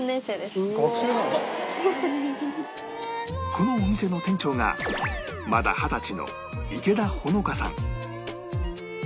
このお店の店長がまだ二十歳の池田穂乃花さん